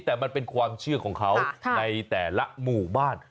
แต่มันเป็นความเชื่อของเขาในแต่ละหมู่บ้าน